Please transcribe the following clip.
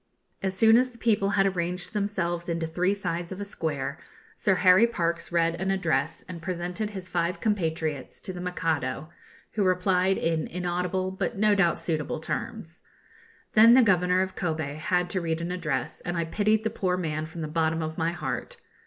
As soon as the people had arranged themselves into three sides of a square, Sir Harry Parkes read an address, and presented his five compatriots to the Mikado, who replied in inaudible but no doubt suitable terms. Then the Governor of Kobe had to read an address, and I pitied the poor man from the bottom of my heart.